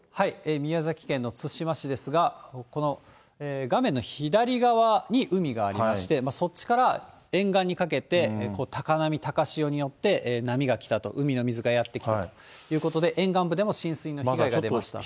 宮崎県の対馬市ですが、この画面の左側に海がありまして、そっちから沿岸にかけて高波、高潮によって、波が来たと、海の水がやって来たということで、沿岸部でも浸水の被害が出ました。